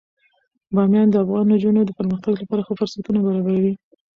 بامیان د افغان نجونو د پرمختګ لپاره ښه فرصتونه برابروي.